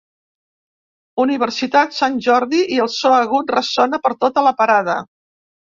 Universitat Sant Jordi i el so agut ressona per tota la parada.